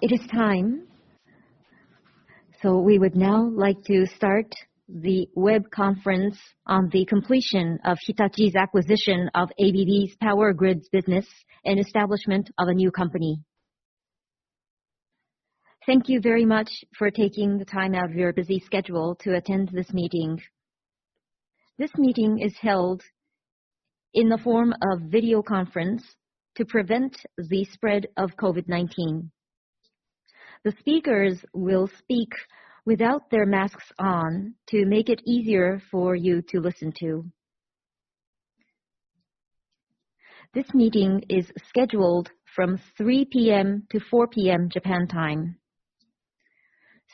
It is time. We would now like to start the web conference on the completion of Hitachi's acquisition of ABB's Power Grids business and establishment of a new company. Thank you very much for taking the time out of your busy schedule to attend this meeting. This meeting is held in the form of video conference to prevent the spread of COVID-19. The speakers will speak without their masks on to make it easier for you to listen to. This meeting is scheduled from 3:00 P.M. to 4:00 P.M., Japan time.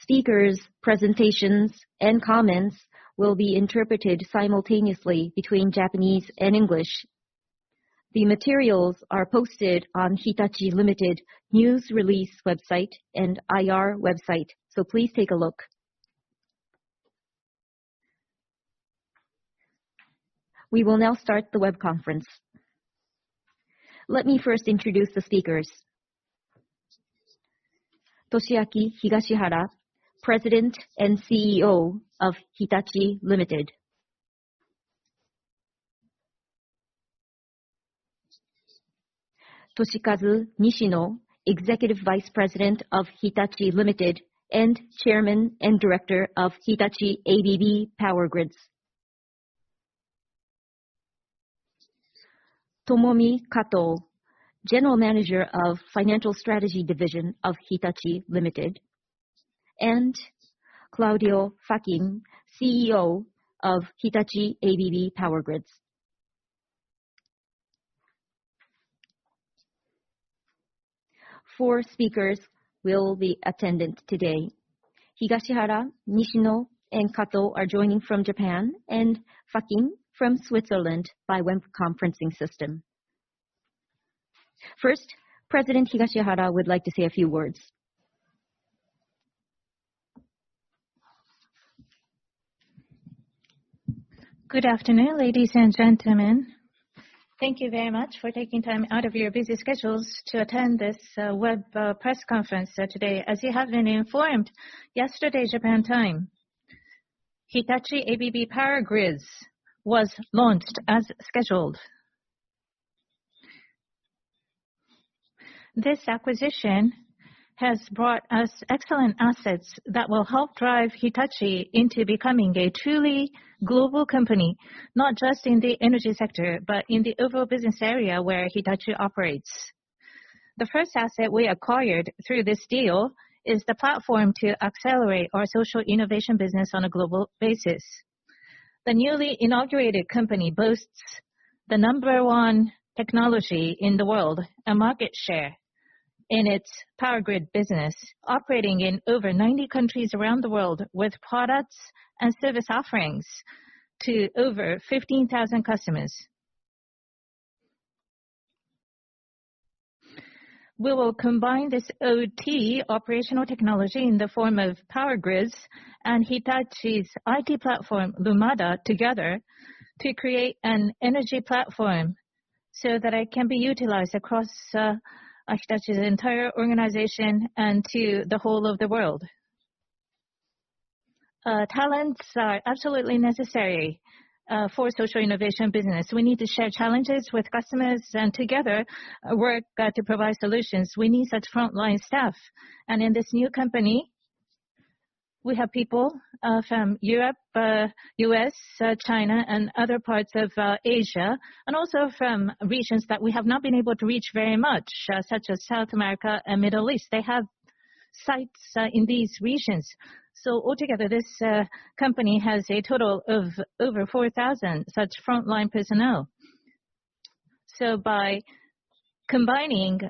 Speakers' presentations and comments will be interpreted simultaneously between Japanese and English. The materials are posted on Hitachi, Ltd. news release website and IR website, please take a look. We will now start the web conference. Let me first introduce the speakers. Toshiaki Higashihara, President and CEO of Hitachi, Ltd. Toshikazu Nishino, Executive Vice President of Hitachi, Ltd. and Chairman and Director of Hitachi ABB Power Grids. Tomomi Kato, General Manager of Financial Strategy Division of Hitachi, Ltd. Claudio Facchin, CEO of Hitachi ABB Power Grids. Four speakers will be attendant today. Higashihara, Nishino, and Kato are joining from Japan, and Facchin from Switzerland by web conferencing system. First, President Higashihara would like to say a few words. Good afternoon, ladies and gentlemen. Thank you very much for taking time out of your busy schedules to attend this web press conference today. As you have been informed, yesterday Japan time, Hitachi ABB Power Grids was launched as scheduled. This acquisition has brought us excellent assets that will help drive Hitachi into becoming a truly global company, not just in the energy sector, but in the overall business area where Hitachi operates. The first asset we acquired through this deal is the platform to accelerate our social innovation business on a global basis. The newly inaugurated company boasts the number one technology in the world and market share in its power grid business, operating in over 90 countries around the world with products and service offerings to over 15,000 customers. We will combine this OT, operational technology, in the form of power grids and Hitachi's IT platform, Lumada, together to create an energy platform so that it can be utilized across Hitachi's entire organization and to the whole of the world. Talents are absolutely necessary for social innovation business. We need to share challenges with customers and together work to provide solutions. We need such frontline staff. In this new company, we have people from Europe, U.S., China, and other parts of Asia. Also from regions that we have not been able to reach very much, such as South America and Middle East. They have sites in these regions. Altogether, this company has a total of over 4,000 such frontline personnel. By combining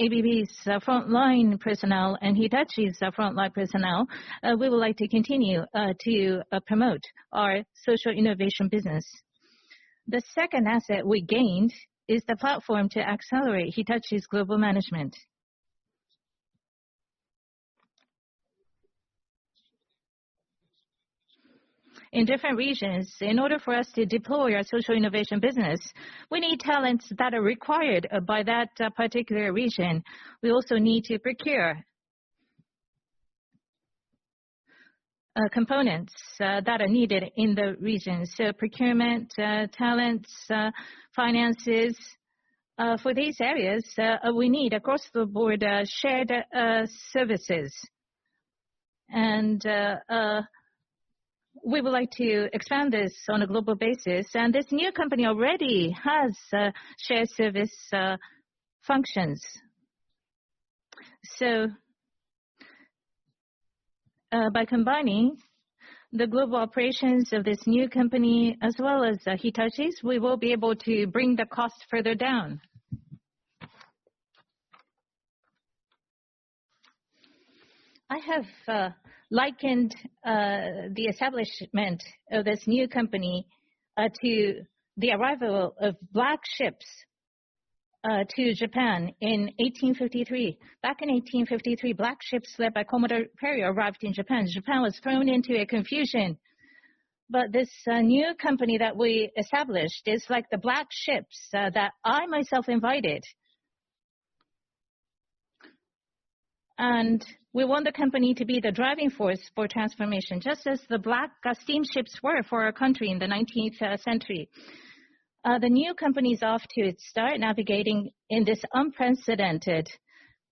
ABB's frontline personnel and Hitachi's frontline personnel, we would like to continue to promote our social innovation business. The second asset we gained is the platform to accelerate Hitachi's global management. In different regions, in order for us to deploy our social innovation business, we need talents that are required by that particular region. We also need to procure components that are needed in the region. Procurement, talents, finances. For these areas, we need across the board, shared services. We would like to expand this on a global basis. This new company already has shared service functions. By combining the global operations of this new company as well as Hitachi's, we will be able to bring the cost further down. I have likened the establishment of this new company to the arrival of Black Ships to Japan in 1853. Back in 1853, Black Ships led by Commodore Perry arrived in Japan. Japan was thrown into a confusion This new company that we established is like the black ships that I myself invited. We want the company to be the driving force for transformation, just as the black steamships were for our country in the 19th century. The new company's off to start navigating in this unprecedented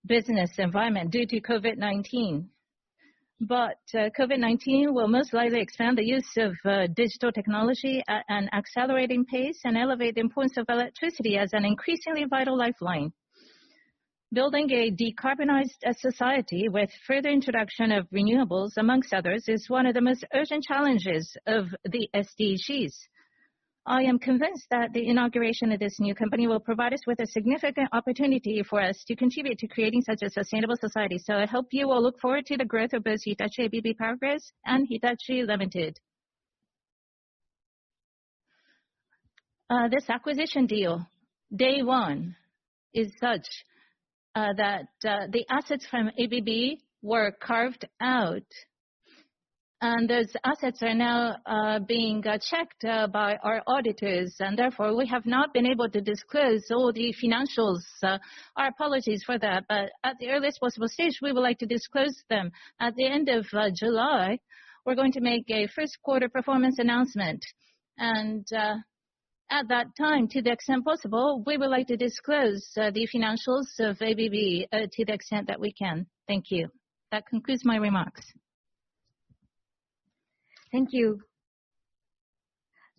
business environment due to COVID-19. COVID-19 will most likely expand the use of digital technology at an accelerating pace and elevate the importance of electricity as an increasingly vital lifeline. Building a decarbonized society with further introduction of renewables, amongst others, is one of the most urgent challenges of the SDGs. I am convinced that the inauguration of this new company will provide us with a significant opportunity for us to contribute to creating such a sustainable society. I hope you will look forward to the growth of both Hitachi ABB Power Grids and Hitachi, Ltd.. This acquisition deal, day one, is such that the assets from ABB were carved out, and those assets are now being checked by our auditors. Therefore, we have not been able to disclose all the financials. Our apologies for that, but at the earliest possible stage, we would like to disclose them. At the end of July, we're going to make a first-quarter performance announcement, and at that time, to the extent possible, we would like to disclose the financials of ABB to the extent that we can. Thank you. That concludes my remarks. Thank you.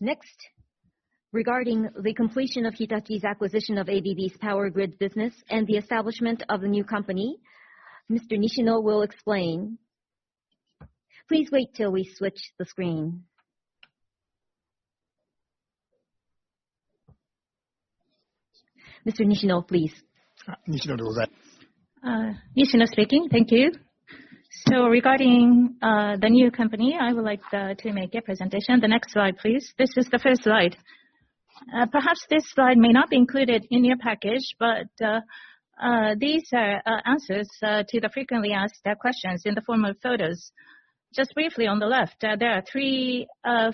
Next, regarding the completion of Hitachi's acquisition of ABB's power grid business and the establishment of the new company, Mr. Nishino will explain. Please wait till we switch the screen. Mr. Nishino, please. Nishino, go ahead. Nishino speaking. Thank you. Regarding the new company, I would like to make a presentation. The next slide, please. This is the first slide. Perhaps this slide may not be included in your package, but these are answers to the frequently asked questions in the form of photos. Just briefly, on the left, there are three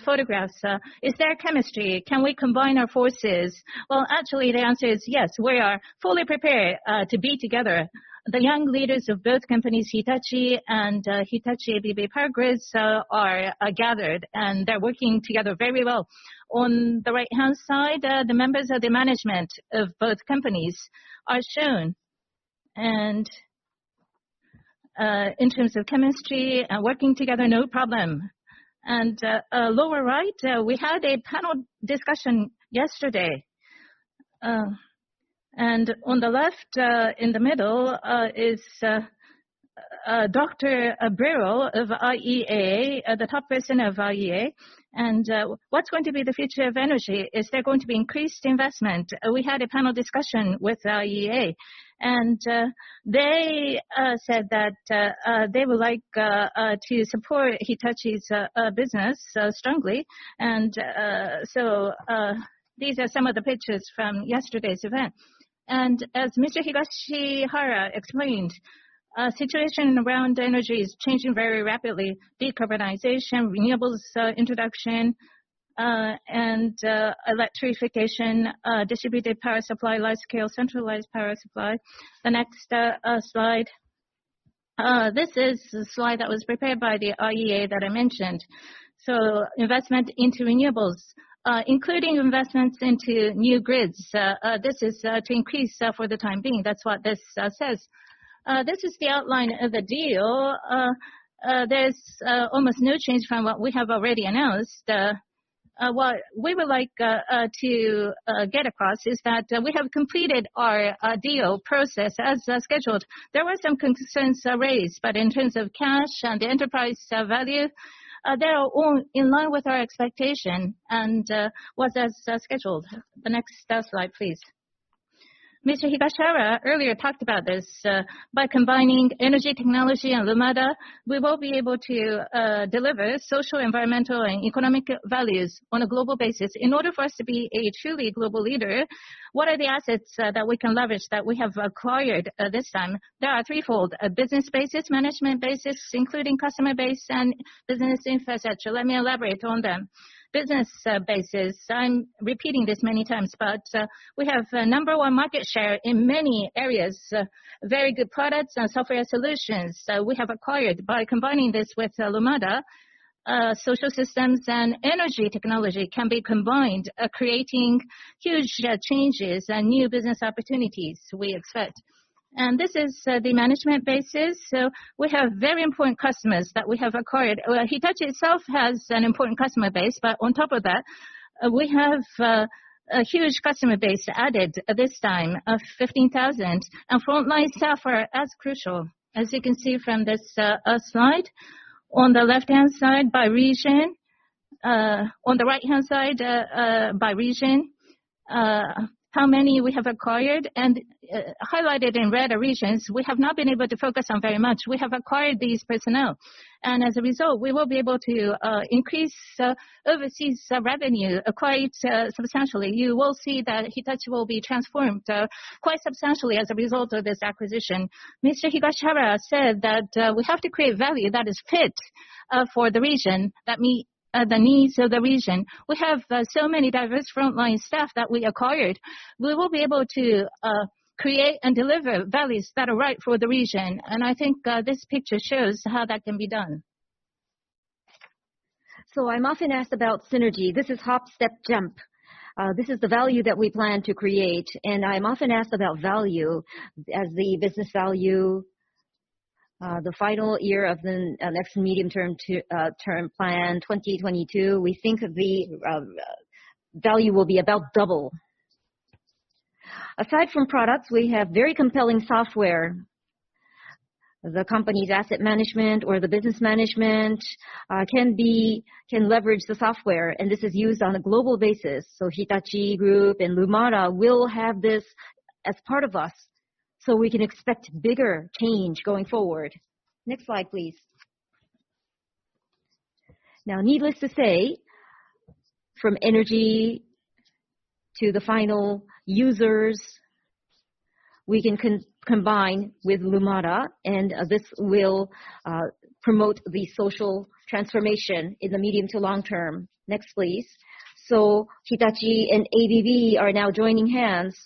photographs. Is there chemistry? Can we combine our forces? Well, actually, the answer is yes. We are fully prepared to be together. The young leaders of both companies, Hitachi and Hitachi ABB Power Grids, are gathered, and they are working together very well. On the right-hand side, the members of the management of both companies are shown. In terms of chemistry and working together, no problem. Lower right, we had a panel discussion yesterday. On the left in the middle is Dr. Birol of IEA, the top person of IEA. What's going to be the future of energy? Is there going to be increased investment? We had a panel discussion with IEA, and they said that they would like to support Hitachi's business strongly. These are some of the pictures from yesterday's event. As Mr. Higashihara explained, situation around energy is changing very rapidly. Decarbonization, renewables introduction, and electrification, distributed power supply, large-scale centralized power supply. The next slide. This is the slide that was prepared by the IEA that I mentioned. Investment into renewables, including investments into new grids. This is to increase for the time being. That's what this says. This is the outline of the deal. There's almost no change from what we have already announced. What we would like to get across is that we have completed our deal process as scheduled. There were some concerns raised, but in terms of cash and enterprise value, they are all in line with our expectation and was as scheduled. The next slide, please. Mr. Higashihara earlier talked about this. By combining energy technology and Lumada, we will be able to deliver social, environmental, and economic values on a global basis. In order for us to be a truly global leader, what are the assets that we can leverage that we have acquired this time? There are threefold. A business basis, management basis, including customer base, and business infrastructure. Let me elaborate on them. Business basis. I'm repeating this many times, but we have number one market share in many areas. Very good products and software solutions we have acquired. By combining this with Lumada, social systems and energy technology can be combined, creating huge changes and new business opportunities we expect. This is the management basis. We have very important customers that we have acquired. Hitachi itself has an important customer base, but on top of that, we have a huge customer base added this time of 15,000. Frontline staff are as crucial. As you can see from this slide, on the left-hand side by region, on the right-hand side by region, how many we have acquired. Highlighted in red are regions we have not been able to focus on very much. We have acquired these personnel. As a result, we will be able to increase overseas revenue quite substantially. You will see that Hitachi will be transformed quite substantially as a result of this acquisition. Mr. Higashihara said that we have to create value that is fit for the region, that meet the needs of the region. We have so many diverse frontline staff that we acquired. We will be able to create and deliver values that are right for the region, and I think this picture shows how that can be done. I'm often asked about synergy. This is hop, step, jump. This is the value that we plan to create, and I'm often asked about value as the business value. The final year of the next Mid-term Management Plan 2022, we think the value will be about double. Aside from products, we have very compelling software. The company's asset management or the business management can leverage the software, and this is used on a global basis. Hitachi Group and Lumada will have this as part of us, so we can expect bigger change going forward. Next slide, please. Needless to say, from energy to the final users, we can combine with Lumada and this will promote the social transformation in the medium to long term. Next, please. Hitachi and ABB are now joining hands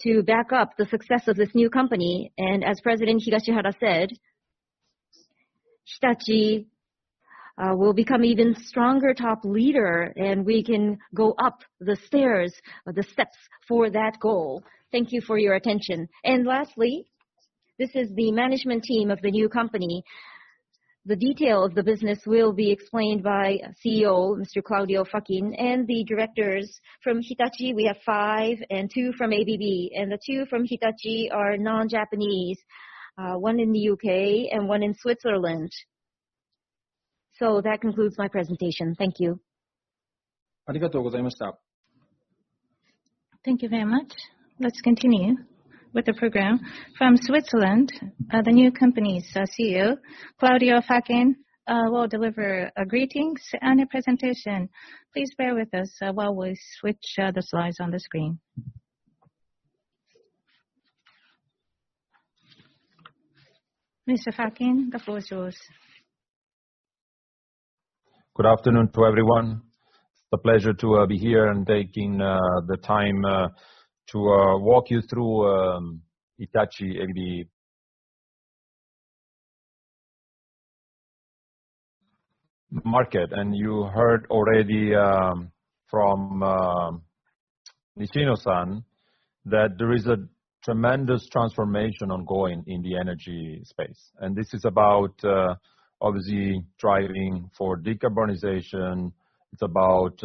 to back up the success of this new company, and as President Higashihara said, Hitachi will become even stronger top leader, and we can go up the stairs, the steps for that goal. Thank you for your attention. Lastly, this is the management team of the new company. The detail of the business will be explained by CEO, Mr. Claudio Facchin, and the directors from Hitachi, we have five, and two from ABB. The two from Hitachi are non-Japanese, one in the U.K. and one in Switzerland. That concludes my presentation. Thank you. Thank you very much. Let's continue with the program. From Switzerland, the new company's CEO, Claudio Facchin, will deliver greetings and a presentation. Please bear with us while we switch the slides on the screen. Mr. Facchin, the floor is yours. Good afternoon to everyone. It's a pleasure to be here and taking the time to walk you through Hitachi ABB. Market, and you heard already from Nishino-san, that there is a tremendous transformation ongoing in the energy space, and this is about, obviously, driving for decarbonization. It's about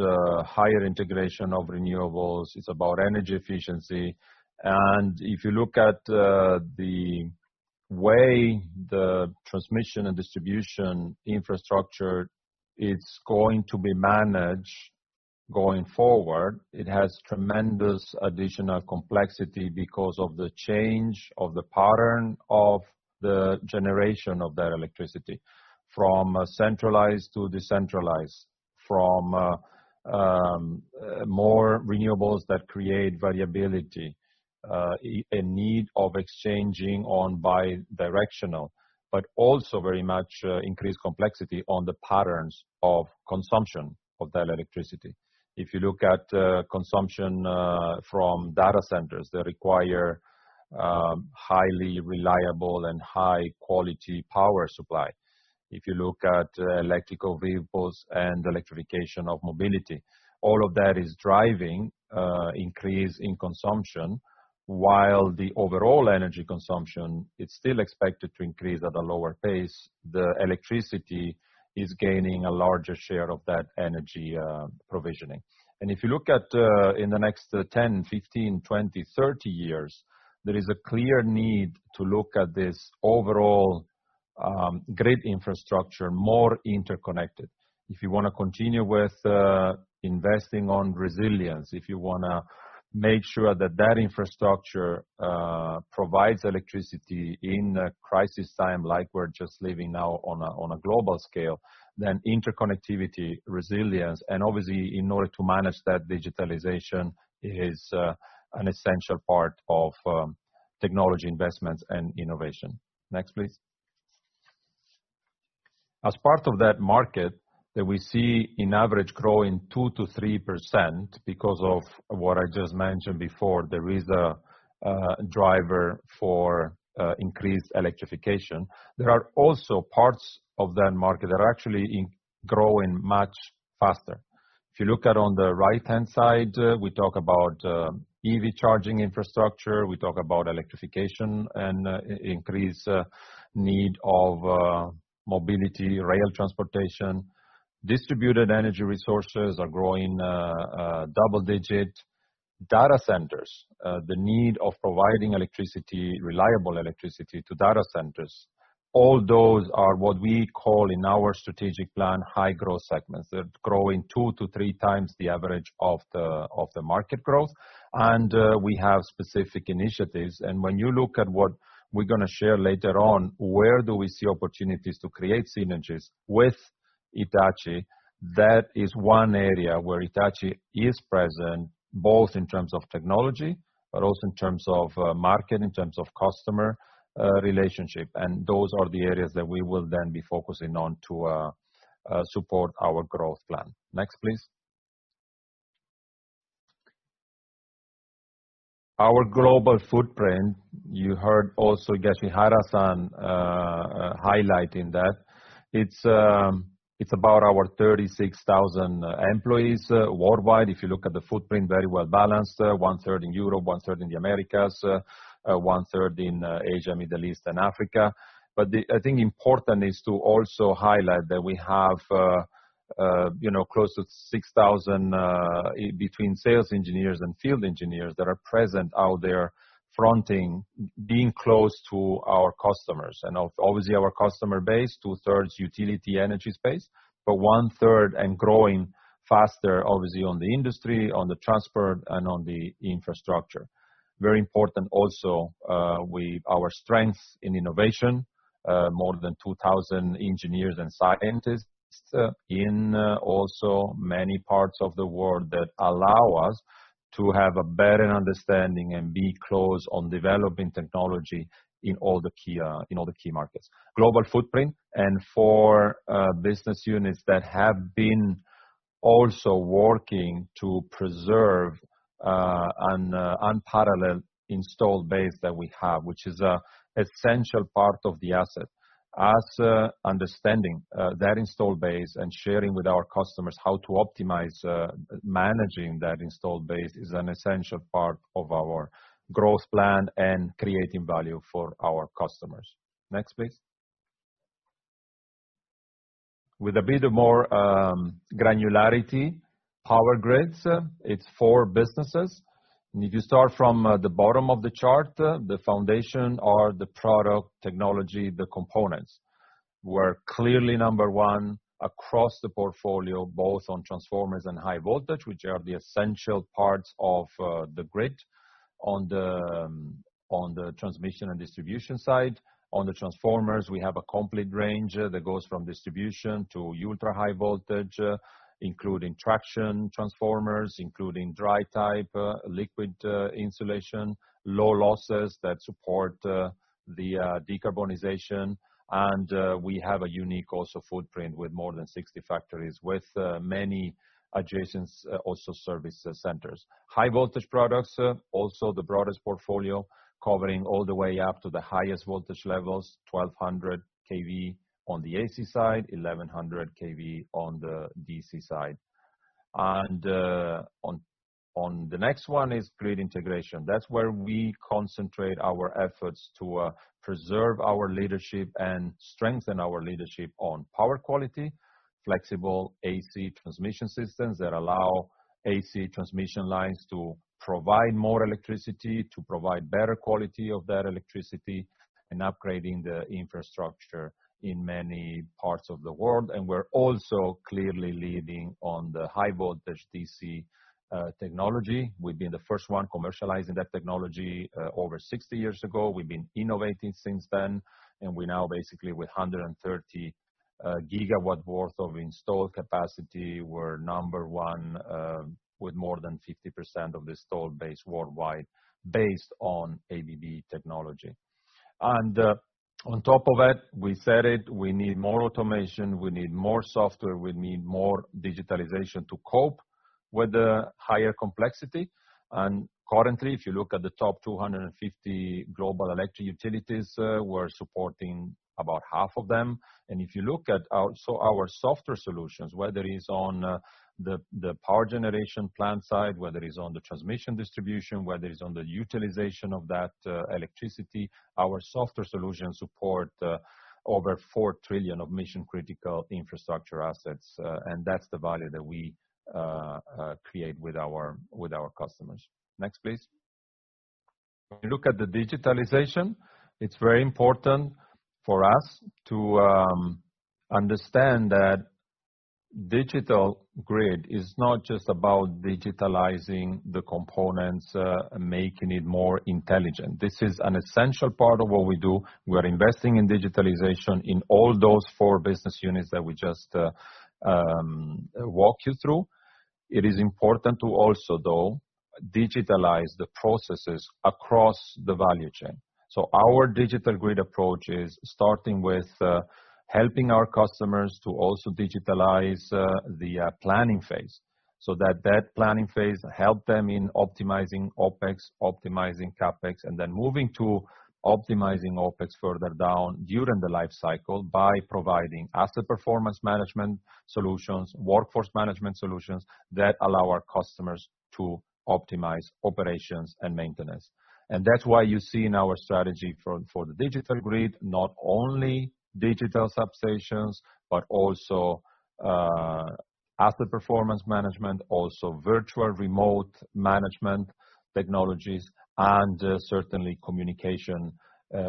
higher integration of renewables. It's about energy efficiency. If you look at the way the T&D infrastructure is going to be managed going forward, it has tremendous additional complexity because of the change of the pattern of the generation of that electricity from centralized to decentralized, from more renewables that create variability, a need of exchanging on bi-directional, but also very much increased complexity on the patterns of consumption of that electricity. If you look at consumption from data centers, they require highly reliable and high-quality power supply. If you look at electrical vehicles and electrification of mobility, all of that is driving increase in consumption. While the overall energy consumption, it's still expected to increase at a lower pace, the electricity is gaining a larger share of that energy provisioning. If you look at in the next 10, 15, 20, 30 years, there is a clear need to look at this overall grid infrastructure more interconnected. If you want to continue with investing on resilience, if you want to make sure that infrastructure provides electricity in a crisis time like we're just living now on a global scale, then interconnectivity, resilience, and obviously in order to manage that digitalization, is an essential part of technology investments and innovation. Next, please. As part of that market that we see in average growing 2% to 3% because of what I just mentioned before, there is a driver for increased electrification. There are also parts of that market that are actually growing much faster. If you look at on the right-hand side, we talk about EV charging infrastructure, we talk about electrification and increased need of mobility, rail transportation. Distributed energy resources are growing double digit. Data centers, the need of providing electricity, reliable electricity to data centers, all those are what we call in our strategic plan, high growth segments. They're growing two to three times the average of the market growth, and we have specific initiatives. When you look at what we are going to share later on, where do we see opportunities to create synergies with Hitachi, that is one area where Hitachi is present, both in terms of technology but also in terms of market, in terms of customer relationship, and those are the areas that we will then be focusing on to support our growth plan. Next, please. Our global footprint, you heard also Yashuhira-san highlighting that. It is about our 36,000 employees worldwide. If you look at the footprint, very well-balanced, one-third in Europe, one-third in the Americas, one-third in Asia, Middle East, and Africa. I think important is to also highlight that we have close to 6,000 between sales engineers and field engineers that are present out there fronting, being close to our customers. Obviously, our customer base, two-thirds utility energy space, but one-third and growing faster, obviously, on the industry, on the transport, and on the infrastructure. Very important also, our strength in innovation, more than 2,000 engineers and scientists in also many parts of the world that allow us to have a better understanding and be close on developing technology in all the key markets. Global footprint and four business units that have been also working to preserve an unparalleled installed base that we have, which is an essential part of the asset. Us understanding that installed base and sharing with our customers how to optimize managing that installed base is an essential part of our growth plan and creating value for our customers. Next, please. With a bit of more granularity, power grids, it is four businesses. If you start from the bottom of the chart, the foundation or the product technology, the components, we are clearly number one across the portfolio, both on transformers and high voltage, which are the essential parts of the grid on the transmission and distribution side. On the transformers, we have a complete range that goes from distribution to ultra-high voltage, including traction transformers, including dry type, liquid insulation, low losses that support the decarbonization. We have a unique also footprint with more than 60 factories with many adjacent also service centers. High voltage products, also the broadest portfolio, covering all the way up to the highest voltage levels, 1,200 kV on the AC side, 1,100 kV on the DC side. On the next one is grid integration. That is where we concentrate our efforts to preserve our leadership and strengthen our leadership on power quality, flexible AC transmission systems that allow AC transmission lines to provide more electricity, to provide better quality of that electricity, and upgrading the infrastructure in many parts of the world. We are also clearly leading on the high voltage DC technology. We have been the first one commercializing that technology over 60 years ago. We have been innovating since then, and we now basically with 130 gigawatt worth of installed capacity, we are number one with more than 50% of the installed base worldwide based on ABB technology. On top of that, we said it, we need more automation, we need more software, we need more digitalization to cope with the higher complexity. Currently, if you look at the top 250 global electric utilities, we are supporting about half of them. If you look at also our software solutions, whether it's on the power generation plant side, whether it's on the transmission distribution, whether it's on the utilization of that electricity, our software solutions support over 4 trillion of mission-critical infrastructure assets, and that's the value that we create with our customers. Next, please. You look at the digitalization, it's very important for us to understand that digital grid is not just about digitalizing the components, making it more intelligent. This is an essential part of what we do. We are investing in digitalization in all those four business units that we just walked you through. It is important to also, though, digitalize the processes across the value chain. Our digital grid approach is starting with helping our customers to also digitalize the planning phase, so that that planning phase help them in optimizing OpEx, optimizing CapEx, then moving to optimizing OpEx further down during the life cycle by providing asset performance management solutions, workforce management solutions that allow our customers to optimize operations and maintenance. That's why you see in our strategy for the digital grid, not only digital substations, but also asset performance management, also virtual remote management technologies, and certainly communication,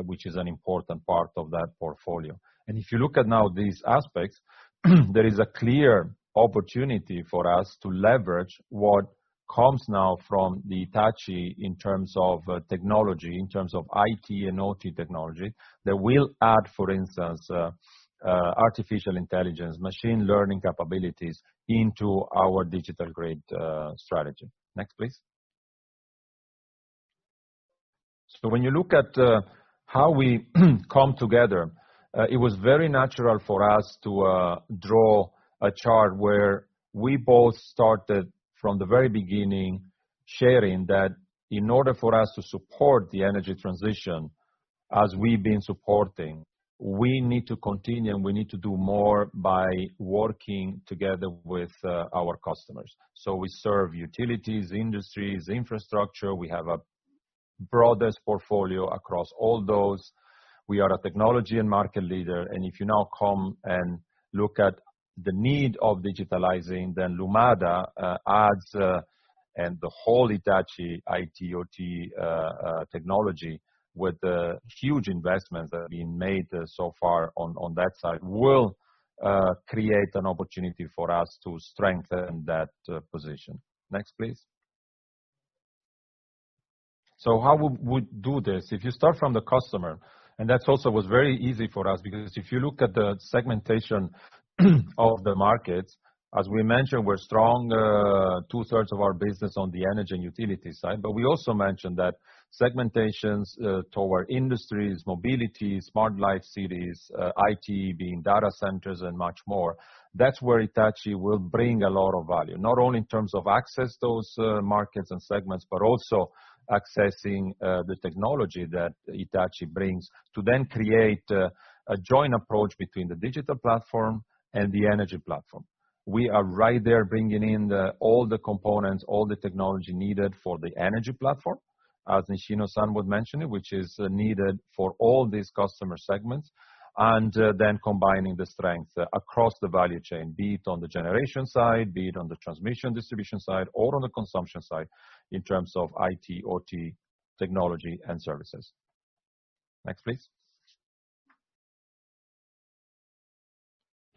which is an important part of that portfolio. If you look at now these aspects, there is a clear opportunity for us to leverage what comes now from Hitachi in terms of technology, in terms of IT and OT technology, that will add, for instance, artificial intelligence, machine learning capabilities into our Digital Grid Strategy. Next, please. When you look at how we come together, it was very natural for us to draw a chart where we both started from the very beginning, sharing that in order for us to support the energy transition, as we've been supporting, we need to continue and we need to do more by working together with our customers. We serve utilities, industries, infrastructure. We have a broadest portfolio across all those. We are a technology and market leader, and if you now come and look at the need of digitalizing, then Lumada adds, and the whole Hitachi IT/OT technology with the huge investments that have been made so far on that side, will create an opportunity for us to strengthen that position. Next, please. How would we do this? You start from the customer, and that's also was very easy for us because if you look at the segmentation of the markets, as we mentioned, we're strong, two-thirds of our business on the energy and utility side. We also mentioned that segmentations toward industries, mobility, smart life cities, IT being data centers, and much more. That's where Hitachi will bring a lot of value. Not only in terms of access those markets and segments, but also accessing the technology that Hitachi brings to then create a joint approach between the digital platform and the energy platform. We are right there bringing in all the components, all the technology needed for the energy platform, as Nishino-san would mention it, which is needed for all these customer segments, combining the strength across the value chain, be it on the generation side, be it on the transmission distribution side, or on the consumption side in terms of IT/OT technology and services. Next, please.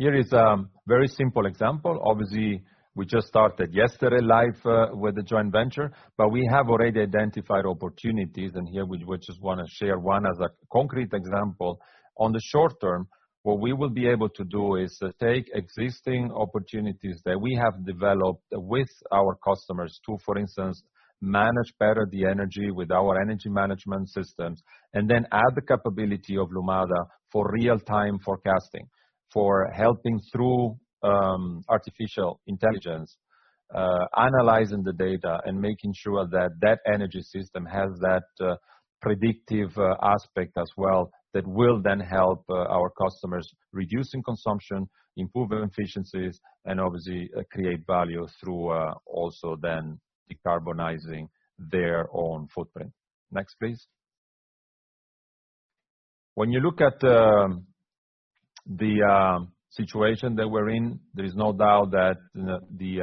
Here is a very simple example. Obviously, we just started yesterday live with the joint venture, but we have already identified opportunities and here we just want to share one as a concrete example. On the short term, what we will be able to do is take existing opportunities that we have developed with our customers to, for instance, manage better the energy with our energy management systems and then add the capability of Lumada for real-time forecasting. For helping through artificial intelligence, analyzing the data and making sure that that energy system has that predictive aspect as well, that will then help our customers reducing consumption, improve their efficiencies, and obviously create value through also then decarbonizing their own footprint. Next, please. When you look at the situation that we're in, there is no doubt that the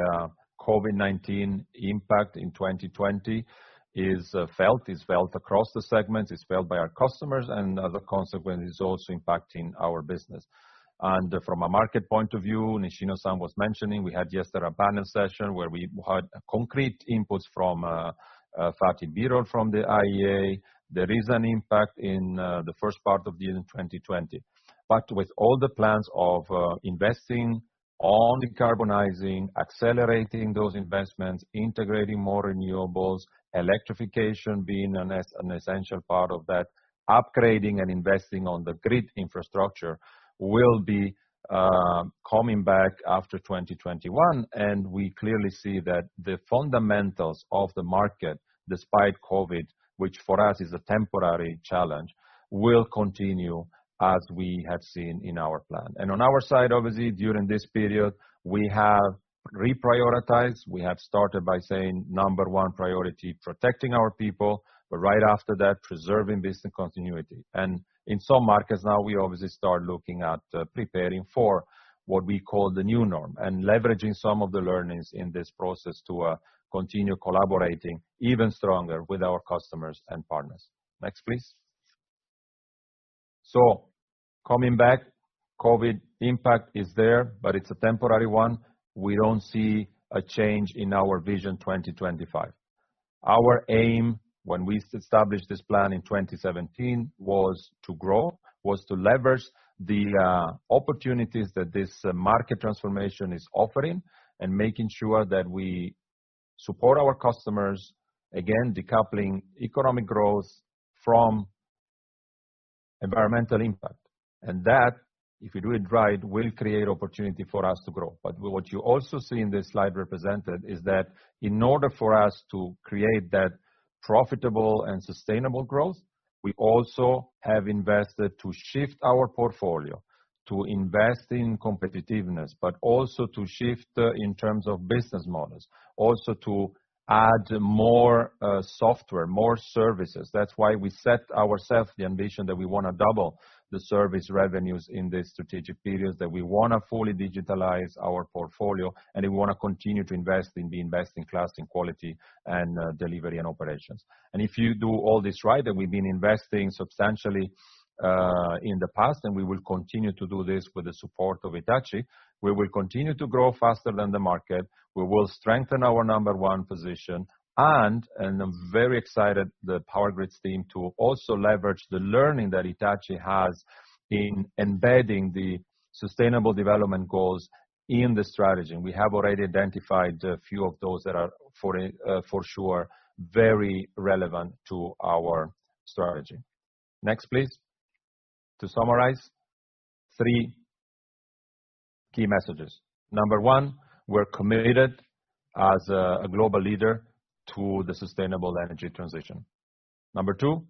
COVID-19 impact in 2020 is felt. It's felt across the segments, it's felt by our customers, and as a consequence, it's also impacting our business. From a market point of view, Nishino-san was mentioning we had yesterday a panel session where we had concrete inputs from Fatih Birol from the IEA. There is an impact in the first part of the year 2020. With all the plans of investing on decarbonizing, accelerating those investments, integrating more renewables, electrification being an essential part of that, upgrading and investing on the grid infrastructure will be coming back after 2021. We clearly see that the fundamentals of the market, despite COVID, which for us is a temporary challenge, will continue as we have seen in our plan. On our side, obviously, during this period, we have reprioritized. We have started by saying, number one priority, protecting our people. Right after that, preserving business continuity. In some markets now we obviously start looking at preparing for what we call the new norm, leveraging some of the learnings in this process to continue collaborating even stronger with our customers and partners. Next, please. Coming back, COVID impact is there, but it's a temporary one. We don't see a change in our Vision 2025. Our aim when we established this plan in 2017 was to grow, was to leverage the opportunities that this market transformation is offering, making sure that we support our customers, again, decoupling economic growth from environmental impact. That, if we do it right, will create opportunity for us to grow. What you also see in this slide represented is that in order for us to create that profitable and sustainable growth, we also have invested to shift our portfolio. To invest in competitiveness, but also to shift in terms of business models. Also to add more software, more services. That's why we set ourself the ambition that we want to double the service revenues in this strategic period, that we want to fully digitalize our portfolio, and we want to continue to invest and be best in class in quality and delivery and operations. If you do all this right, and we've been investing substantially in the past, and we will continue to do this with the support of Hitachi, we will continue to grow faster than the market. We will strengthen our number one position, and I'm very excited the power grids team to also leverage the learning that Hitachi has in embedding the sustainable development goals in the strategy. We have already identified a few of those that are for sure, very relevant to our strategy. Next, please. To summarize, 3 key messages. Number one, we're committed as a global leader to the sustainable energy transition. Number two,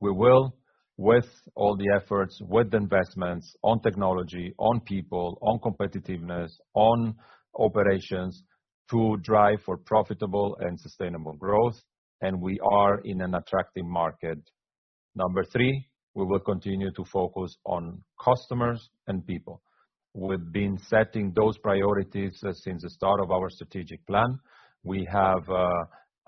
we will, with all the efforts, with investments on technology, on people, on competitiveness, on operations to drive for profitable and sustainable growth. We are in an attractive market. Number three, we will continue to focus on customers and people. We've been setting those priorities since the start of our strategic plan. We have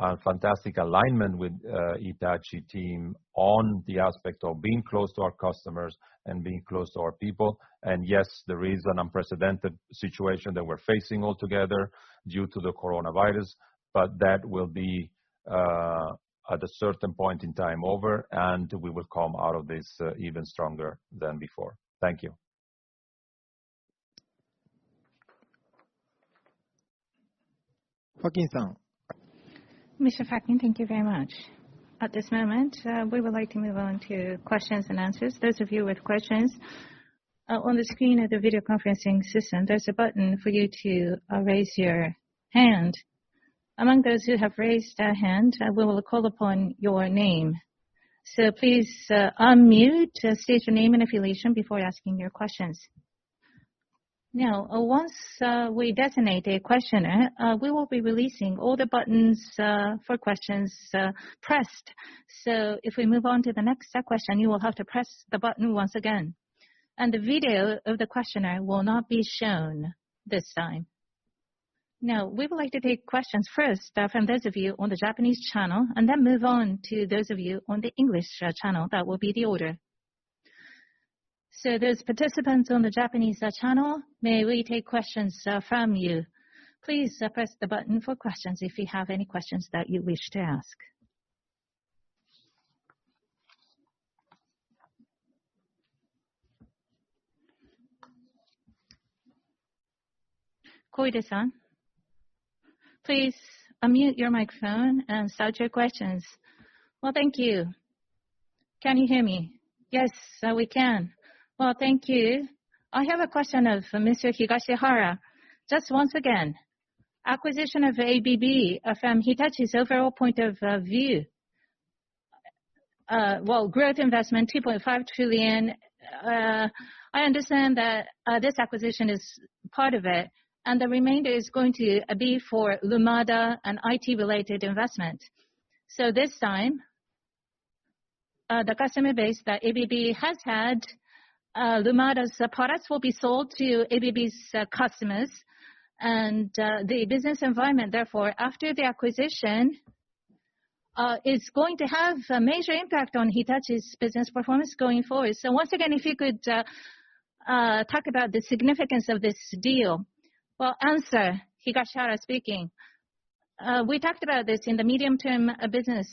a fantastic alignment with Hitachi team on the aspect of being close to our customers and being close to our people. Yes, there is an unprecedented situation that we're facing altogether due to the coronavirus. That will be, at a certain point in time, over, and we will come out of this even stronger than before. Thank you. Fakin-san. Mr. Fakin, thank you very much. At this moment, we would like to move on to questions and answers. Those of you with questions, on the screen of the video conferencing system, there's a button for you to raise your hand. Among those who have raised a hand, we will call upon your name. Please unmute, state your name and affiliation before asking your questions. Once we designate a questioner, we will be releasing all the buttons for questions pressed. If we move on to the next question, you will have to press the button once again. The video of the questioner will not be shown this time. We would like to take questions first from those of you on the Japanese channel, then move on to those of you on the English channel. That will be the order. Those participants on the Japanese channel, may we take questions from you. Please press the button for questions if you have any questions that you wish to ask. Koide-san, please unmute your microphone and start your questions. Thank you. Can you hear me? Yes, we can. Thank you. I have a question of Mr. Higashihara. Just once again, acquisition of ABB from Hitachi's overall point of view. Growth investment, 2.5 trillion. I understand that this acquisition is part of it, and the remainder is going to be for Lumada and IT-related investment. This time, the customer base that ABB has had, Lumada's products will be sold to ABB's customers. The business environment, therefore, after the acquisition, is going to have a major impact on Hitachi's business performance going forward. Once again, if you could talk about the significance of this deal. Well, Higashihara speaking. We talked about this in the Mid-term Management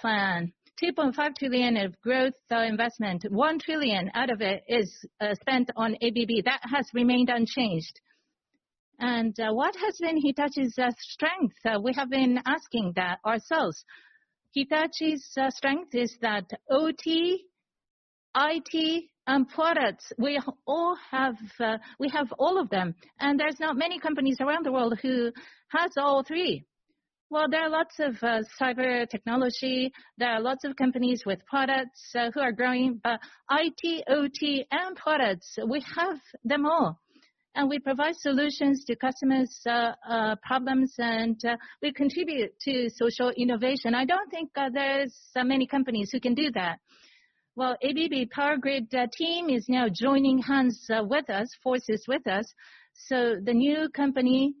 Plan. 2.5 trillion of growth investment. 1 trillion out of it is spent on ABB. That has remained unchanged. What has been Hitachi's strength? We have been asking that ourselves. Hitachi's strength is that OT, IT, and products, we have all of them, and there are not many companies around the world who have all three. Well, there are lots of cyber technology, there are lots of companies with products who are growing, but IT, OT, and products, we have them all. We provide solutions to customers' problems, and we contribute to social innovation. I do not think there are many companies who can do that. Well, ABB Power Grids team is now joining hands with us, forces with us. The new company,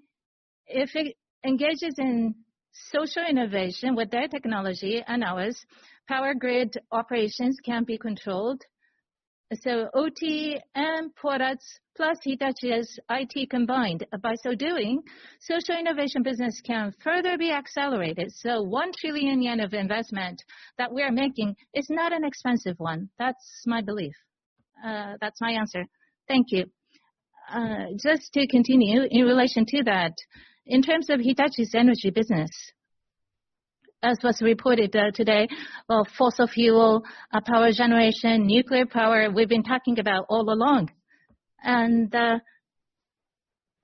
if it engages in social innovation with their technology and ours, power grid operations can be controlled. OT and products, plus Hitachi's IT combined. By so doing, social innovation business can further be accelerated. 1 trillion yen of investment that we are making is not an expensive one. That is my belief. That is my answer. Thank you. Just to continue, in relation to that, in terms of Hitachi's energy business, as was reported today, fossil fuel, power generation, nuclear power, we have been talking about all along.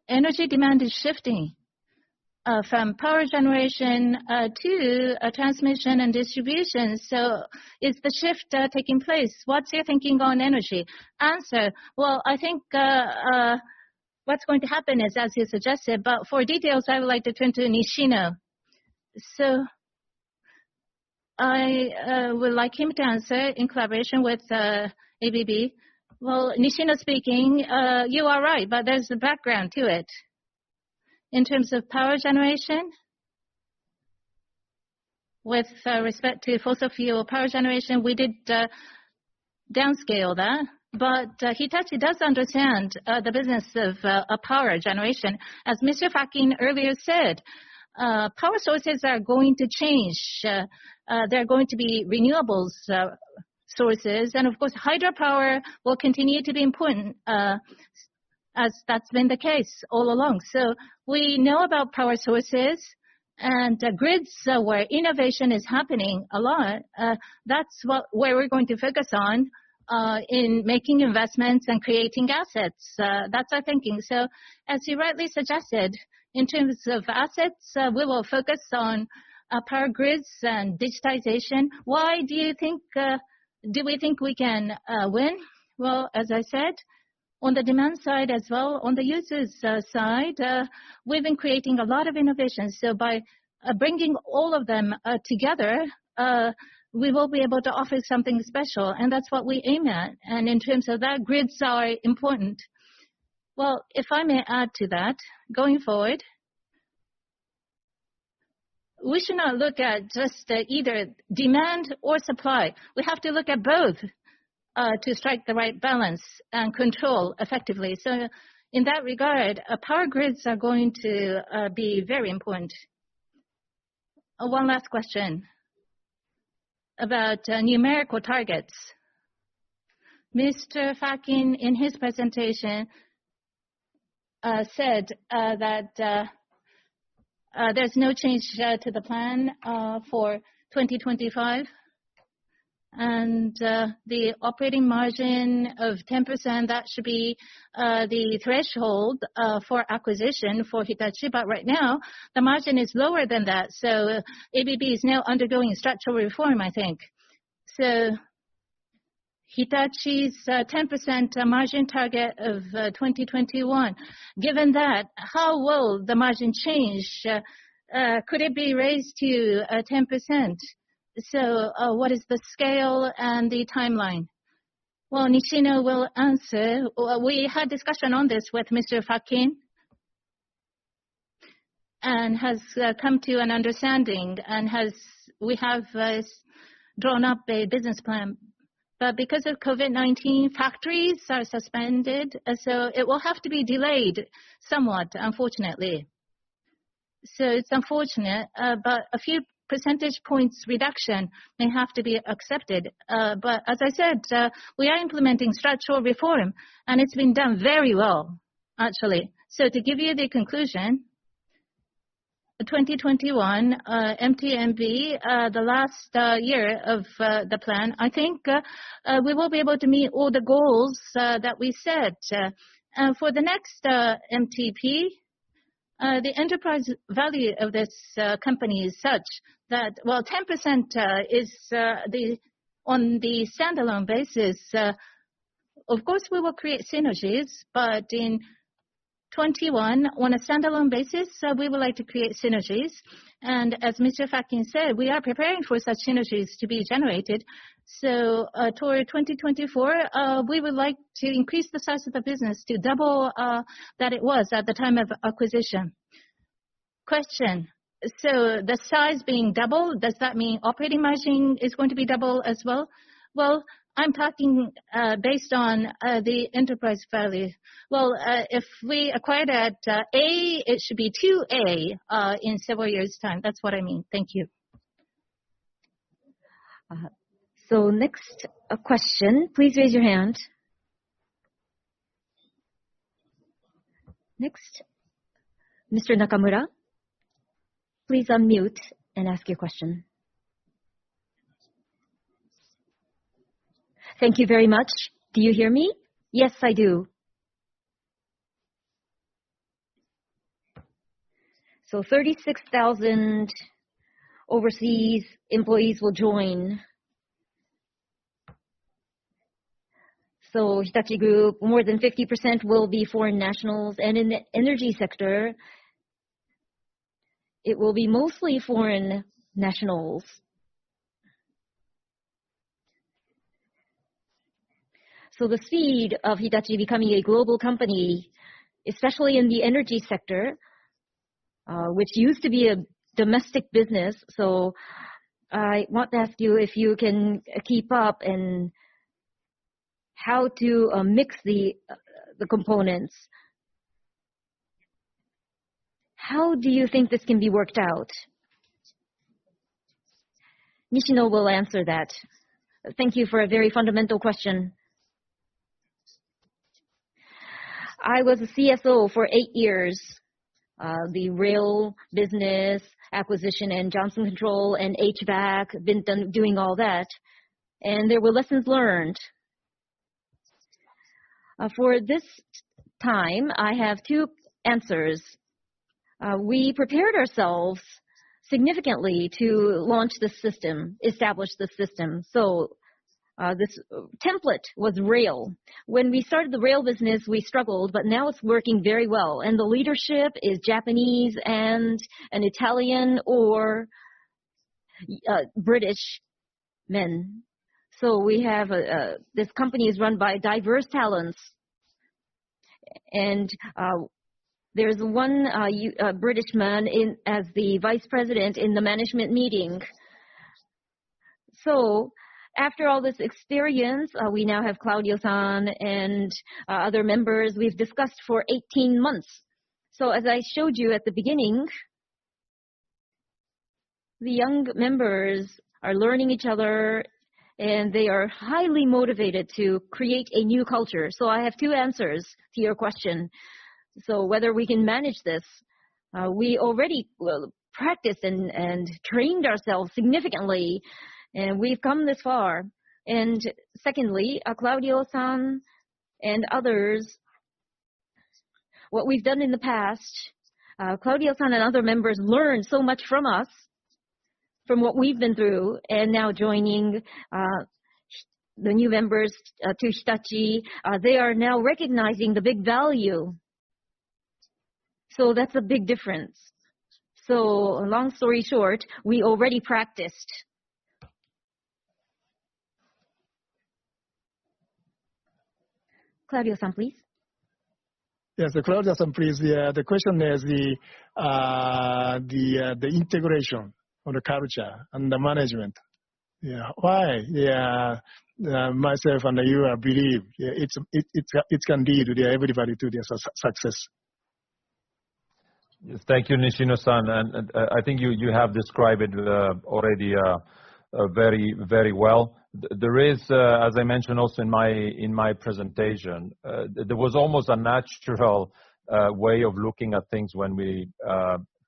Energy demand is shifting from power generation to transmission and distribution. Is the shift taking place? What is your thinking on energy? Answer. Well, I think what is going to happen is as you suggested, but for details, I would like to turn to Nishino. I would like him to answer in collaboration with ABB. Nishino speaking. You are right, but there is a background to it. In terms of power generation, with respect to fossil fuel power generation, we did downscale that. Hitachi does understand the business of power generation. As Mr. Facchin earlier said, power sources are going to change. There are going to be renewables sources, and of course, hydropower will continue to be important. As that has been the case all along. We know about power sources and grids where innovation is happening a lot. That is where we are going to focus on in making investments and creating assets. That is our thinking. As you rightly suggested, in terms of assets, we will focus on power grids and digitization. Why do we think we can win? As I said, on the demand side as well, on the user's side, we have been creating a lot of innovations. By bringing all of them together, we will be able to offer something special, and that is what we aim at. In terms of that, grids are important. If I may add to that, going forward, we should not look at just either demand or supply. We have to look at both to strike the right balance and control effectively. In that regard, power grids are going to be very important. One last question about numerical targets. Mr. Facchin, in his presentation, said that there is no change to the plan for 2025, and the operating margin of 10%, that should be the threshold for acquisition for Hitachi. Right now, the margin is lower than that. ABB is now undergoing a structural reform, I think. Hitachi's 10% margin target of 2021, given that, how will the margin change? Could it be raised to 10%? What is the scale and the timeline? Nishino will answer. We had discussion on this with Mr. Facchin, and has come to an understanding, and we have drawn up a business plan. Because of COVID-19, factories are suspended, so it will have to be delayed somewhat, unfortunately. It is unfortunate, but a few percentage points reduction may have to be accepted. As I said, we are implementing structural reform, and it has been done very well, actually. To give you the conclusion, 2021, MTP, the last year of the plan, I think we will be able to meet all the goals that we set. For the next MTP, the enterprise value of this company is such that while 10% is on the standalone basis, of course, we will create synergies. In 2021, on a standalone basis, we would like to create synergies. As Mr. Facchin said, we are preparing for such synergies to be generated. Toward 2024, we would like to increase the size of the business to double that it was at the time of acquisition. Question, the size being double, does that mean operating margin is going to be double as well? I am talking based on the enterprise value. If we acquired at A, it should be 2A in several years' time. That is what I mean. Thank you. Next question, please raise your hand. Next. Mr. Nakamura, please unmute and ask your question. Thank you very much. Do you hear me? Yes, I do. 36,000 overseas employees will join. Hitachi Group, more than 50% will be foreign nationals. In the energy sector, it will be mostly foreign nationals. The seed of Hitachi becoming a global company, especially in the energy sector, which used to be a domestic business. I want to ask you if you can keep up and how to mix the components. How do you think this can be worked out? Nishino will answer that. Thank you for a very fundamental question. I was a CSO for eight years. The rail business acquisition and Johnson Controls and HVAC, been doing all that, and there were lessons learned. For this time, I have two answers. We prepared ourselves significantly to launch this system, establish this system. This template was rail. When we started the rail business, we struggled, but now it's working very well, and the leadership is Japanese and an Italian or British men. This company is run by diverse talents. There's one British man as the vice president in the management meetings. After all this experience, we now have Claudio-san and other members. We've discussed for 18 months. As I showed you at the beginning The young members are learning each other. They are highly motivated to create a new culture. I have two answers to your question. Whether we can manage this, we already practiced and trained ourselves significantly, and we've come this far. Secondly, Claudio-san and others, what we've done in the past, Claudio-san and other members learned so much from us, from what we've been through. Now joining the new members to Hitachi, they are now recognizing the big value. That's a big difference. Long story short, we already practiced. Claudio-san, please. Yes. Claudio-san, please. The question is the integration of the culture and the management. Yeah. Why? Myself and you believe it can lead everybody to their success. Thank you, Nishino-san. I think you have described it already very well. There is, as I mentioned also in my presentation, there was almost a natural way of looking at things when we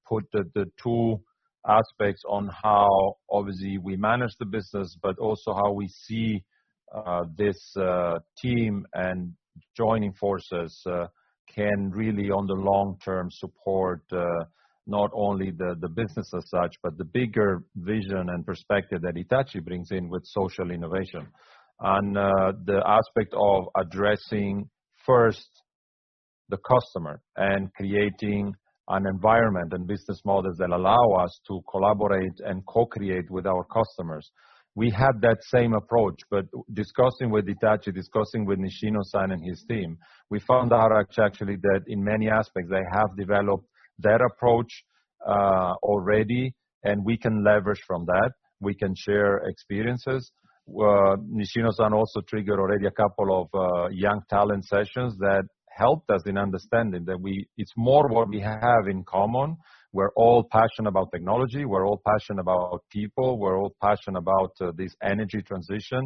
put the two aspects on how obviously we manage the business, but also how we see this team and joining forces can really, on the long term, support not only the business as such, but the bigger vision and perspective that Hitachi brings in with social innovation. On the aspect of addressing first the customer and creating an environment and business models that allow us to collaborate and co-create with our customers, we had that same approach. Discussing with Hitachi, discussing with Nishino-san and his team, we found out actually that in many aspects, they have developed their approach already, and we can leverage from that. We can share experiences. Nishino-san also triggered already a couple of young talent sessions that helped us in understanding that it's more what we have in common. We're all passionate about technology. We're all passionate about people. We're all passionate about this energy transition,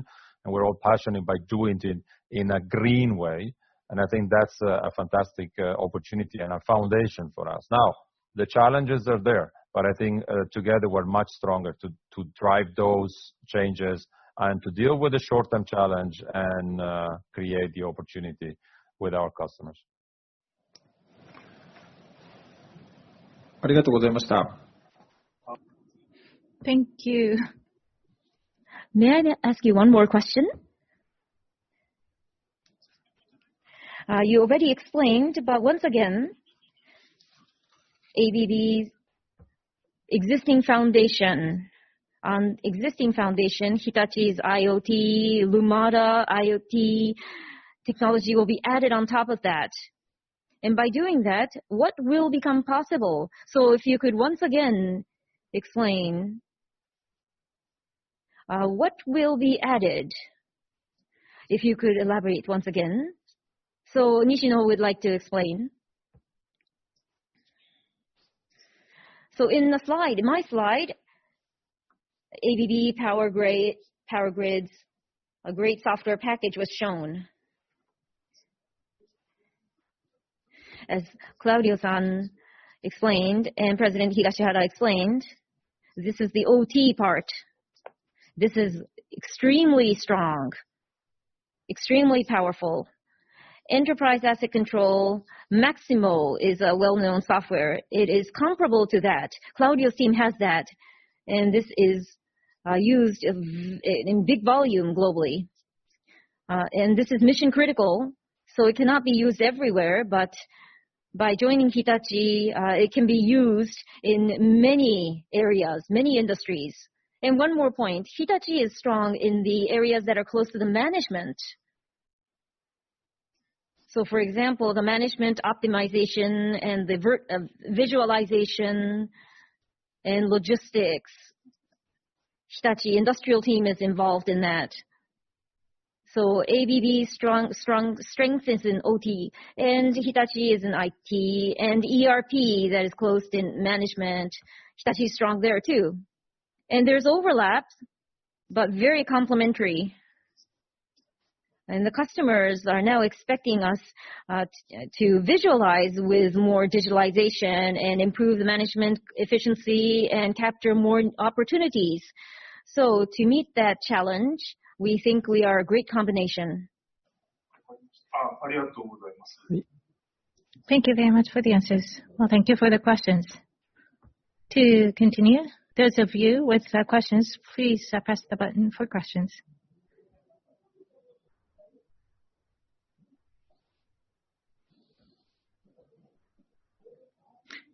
and we're all passionate by doing it in a green way. I think that's a fantastic opportunity and a foundation for us. Now, the challenges are there. I think together we're much stronger to drive those changes and to deal with the short-term challenge and create the opportunity with our customers. Thank you. May I ask you one more question? You already explained, but once again, ABB's existing foundation. On existing foundation, Hitachi's IoT, Lumada IoT technology will be added on top of that. By doing that, what will become possible? If you could once again explain what will be added. If you could elaborate once again. Nishino would like to explain. In my slide, ABB Power Grids, a great software package was shown. As Claudio explained and President Higashihara explained, this is the OT part. This is extremely strong, extremely powerful. Enterprise asset control, Maximo is a well-known software. It is comparable to that. Claudio's team has that, and this is used in big volume globally. This is mission-critical, so it cannot be used everywhere, but by joining Hitachi, it can be used in many areas, many industries. One more point, Hitachi is strong in the areas that are close to the management. For example, the management optimization and the visualization and logistics. Hitachi Industrial team is involved in that. ABB's strength is in OT, and Hitachi is in IT, and ERP that is closed in management, Hitachi is strong there, too. There's overlaps, but very complementary. The customers are now expecting us to visualize with more digitalization and improve the management efficiency and capture more opportunities. To meet that challenge, we think we are a great combination. Thank you very much for the answers. Well, thank you for the questions. To continue, those of you with questions, please press the button for questions.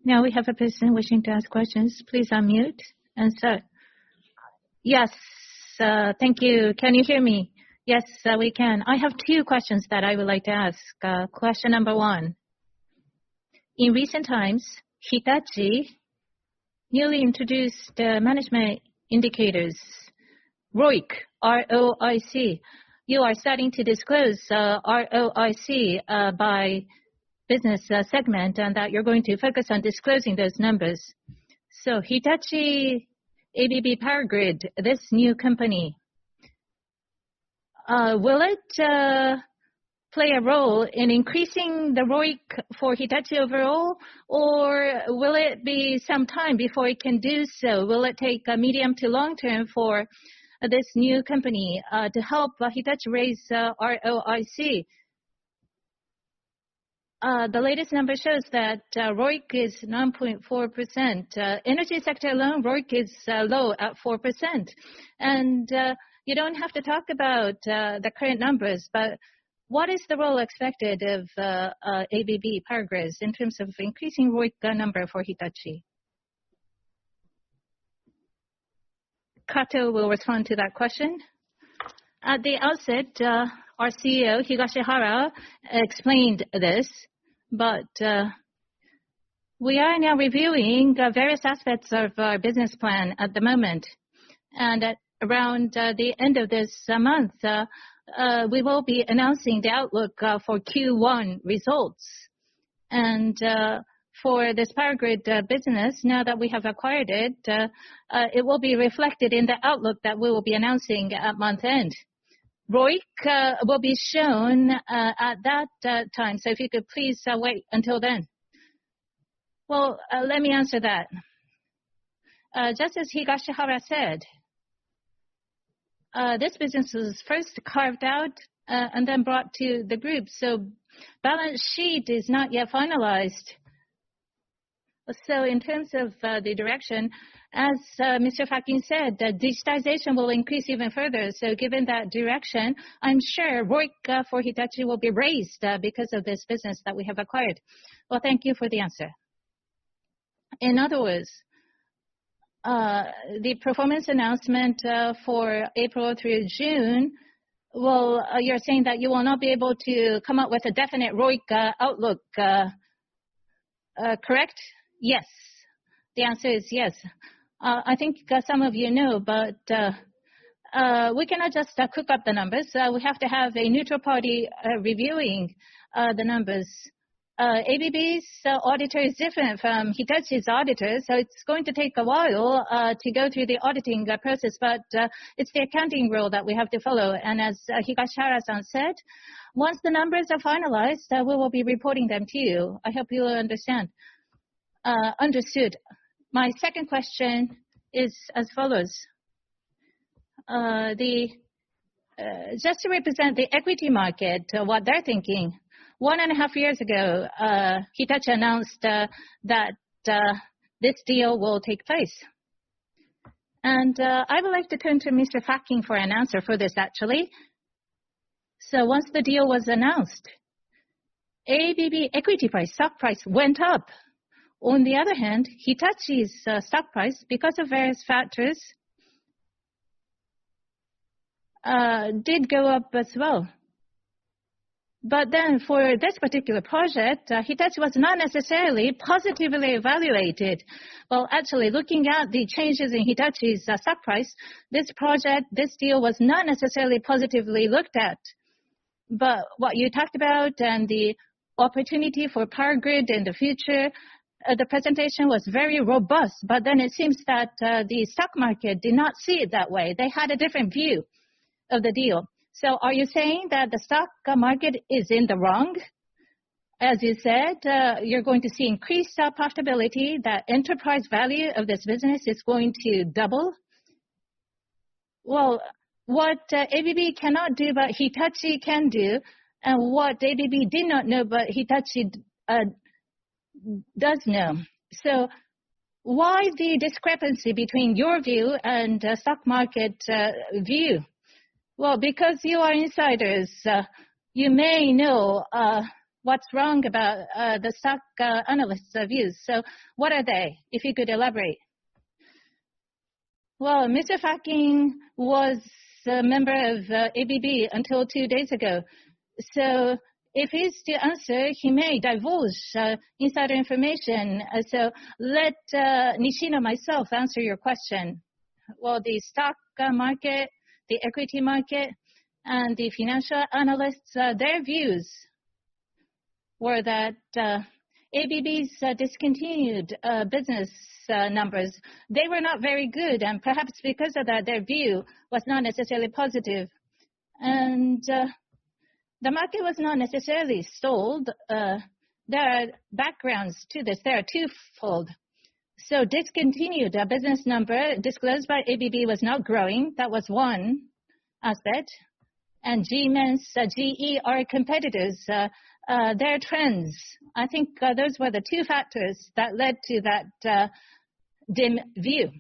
Now we have a person wishing to ask questions. Please unmute. Start. Yes. Thank you. Can you hear me? Yes, we can. I have two questions that I would like to ask. Question number one. In recent times, Hitachi newly introduced management indicators ROIC. You are starting to disclose ROIC by business segment, and that you're going to focus on disclosing those numbers. Hitachi ABB Power Grids, this new company, will it play a role in increasing the ROIC for Hitachi overall, or will it be some time before it can do so? Will it take a medium to long-term for this new company to help Hitachi raise ROIC? The latest number shows that ROIC is 9.4%. Energy sector alone, ROIC is low at 4%. You don't have to talk about the current numbers, but what is the role expected of ABB Power Grids in terms of increasing ROIC number for Hitachi? Kato will respond to that question. At the outset, our CEO, Higashihara, explained this, we are now reviewing various aspects of our business plan at the moment. At around the end of this month, we will be announcing the outlook for Q1 results. For this Power Grids business, now that we have acquired it will be reflected in the outlook that we will be announcing at month-end. ROIC will be shown at that time, if you could please wait until then. Let me answer that. Just as Higashihara said, this business was first carved out and then brought to the group. Balance sheet is not yet finalized. In terms of the direction, as Mr. Facchin said, digitization will increase even further. Given that direction, I'm sure ROIC for Hitachi will be raised because of this business that we have acquired. Thank you for the answer. In other words, the performance announcement for April through June, you're saying that you will not be able to come up with a definite ROIC outlook, correct? Yes. The answer is yes. I think some of you know, we cannot just cook up the numbers. We have to have a neutral party reviewing the numbers. ABB's auditor is different from Hitachi's auditor, it's going to take a while to go through the auditing process. It's the accounting rule that we have to follow. As Higashihara-san said, once the numbers are finalized, we will be reporting them to you. I hope you understood. My second question is as follows. Just to represent the equity market, what they're thinking, 1.5 years ago, Hitachi announced that this deal will take place. I would like to turn to Mr. Facchin for an answer for this, actually. Once the deal was announced, ABB equity price, stock price went up. On the other hand, Hitachi's stock price, because of various factors, did go up as well. For this particular project, Hitachi was not necessarily positively evaluated. Actually, looking at the changes in Hitachi's stock price, this project, this deal was not necessarily positively looked at. What you talked about and the opportunity for Power Grids in the future, the presentation was very robust. It seems that the stock market did not see it that way. They had a different view of the deal. Are you saying that the stock market is in the wrong? As you said, you're going to see increased profitability, that enterprise value of this business is going to double. Well, what ABB cannot do, but Hitachi can do, and what ABB did not know, but Hitachi does know. Why the discrepancy between your view and stock market view? Well, because you are insiders, you may know what's wrong about the stock analysts' views. What are they, if you could elaborate? Well, Mr. Facchin was a member of ABB until two days ago. If he's to answer, he may divulge insider information. Let Nishino, myself, answer your question. Well, the stock market, the equity market, and the financial analysts, their views were that ABB's discontinued business numbers, they were not very good, and perhaps because of that, their view was not necessarily positive. The market was not necessarily sold. There are backgrounds to this. There are twofold. Discontinued business number disclosed by ABB was not growing. That was one aspect. Siemens, GE are competitors, their trends. I think those were the two factors that led to that dim view.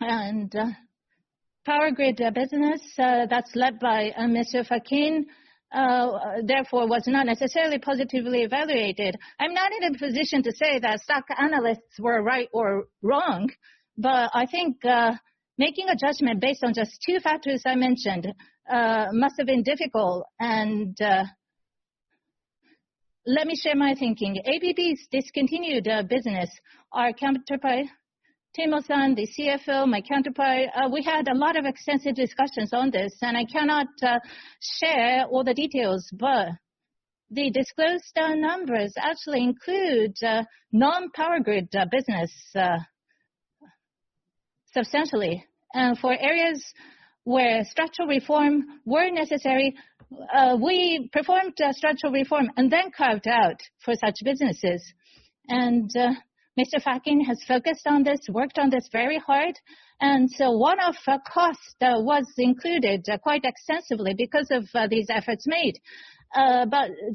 Power Grid business that's led by Mr. Facchin, therefore, was not necessarily positively evaluated. I'm not in a position to say that stock analysts were right or wrong, but I think making a judgment based on just two factors I mentioned must have been difficult. Let me share my thinking. ABB's discontinued business, our counterpart, Timothy-san, the CFO, my counterpart, we had a lot of extensive discussions on this, and I cannot share all the details, but the disclosed numbers actually include non-power grid business substantially. For areas where structural reform were necessary, we performed a structural reform and then carved out for such businesses. Mr. Facchin has focused on this, worked on this very hard. One-off cost was included quite extensively because of these efforts made.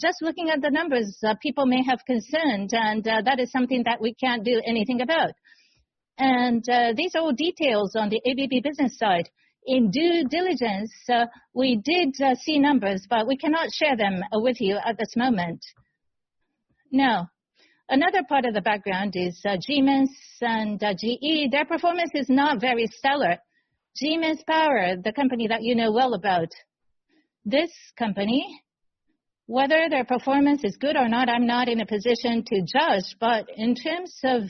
Just looking at the numbers, people may have concerns, and that is something that we can't do anything about. These are all details on the ABB business side. In due diligence, we did see numbers, but we cannot share them with you at this moment. Now, another part of the background is Siemens and GE, their performance is not very stellar. Siemens Power, the company that you know well about, this company, whether their performance is good or not, I'm not in a position to judge, but in terms of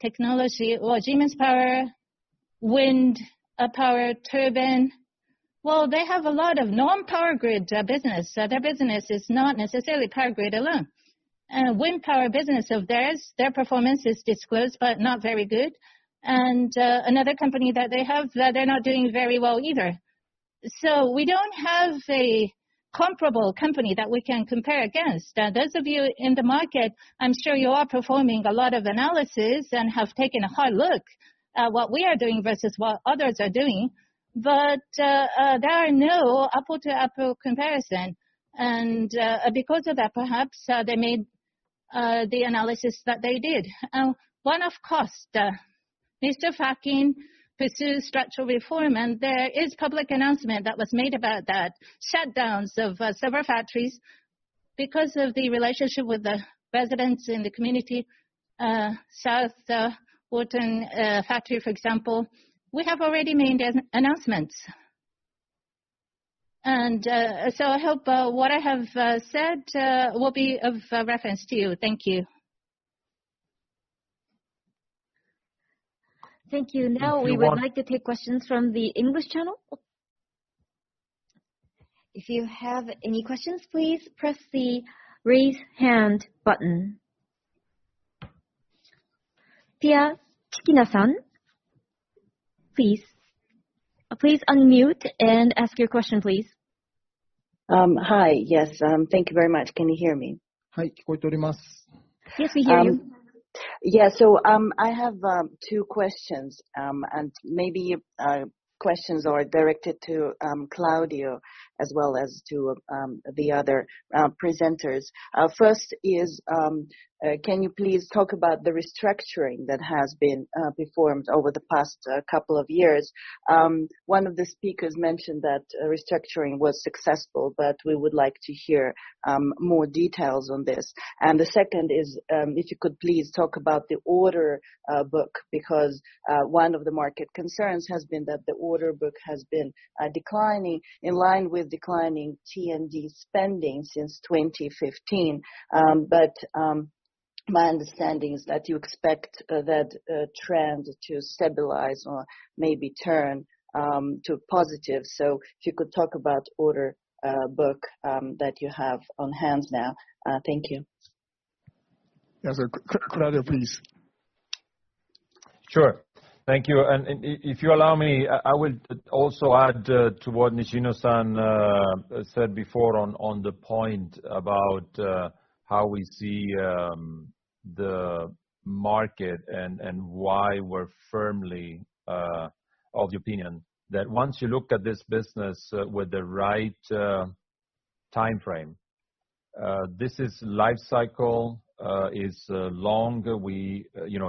technology, well, Siemens Power, wind power turbine, well, they have a lot of non-power grid business. Their business is not necessarily power grid alone. Wind power business of theirs, their performance is disclosed, but not very good. Another company that they have, they're not doing very well either. We don't have a comparable company that we can compare against. Those of you in the market, I'm sure you are performing a lot of analysis and have taken a hard look at what we are doing versus what others are doing. There are no apple to apple comparison. Because of that, perhaps, they made the analysis that they did. One-off cost, Mr. Facchin pursued structural reform, and there is public announcement that was made about that. Shutdowns of several factories because of the relationship with the residents in the community, South Boston factory, for example, we have already made announcements. I hope what I have said will be of reference to you. Thank you. Thank you. Now we would like to take questions from the English channel. If you have any questions, please press the raise hand button. Pia Chkina-san, please unmute and ask your question, please. Hi. Yes, thank you very much. Can you hear me? Yes, we hear you. I have two questions, and maybe questions are directed to Claudio as well as to the other presenters. First is, can you please talk about the restructuring that has been performed over the past couple of years? One of the speakers mentioned that restructuring was successful, but we would like to hear more details on this. The second is, if you could please talk about the order book, because one of the market concerns has been that the order book has been declining in line with declining T&D spending since 2015. My understanding is that you expect that trend to stabilize or maybe turn to positive. If you could talk about order book that you have on hand now. Thank you. Yes, Claudio, please. Sure. Thank you. If you allow me, I will also add to what Nishino-san said before on the point about how we see the market and why we are firmly of the opinion that once you look at this business with the right timeframe, this life cycle is long.